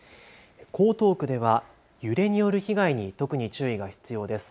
江東区では揺れによる被害に特に注意が必要です。